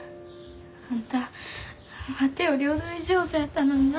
あんたワテより踊り上手やったのになあ。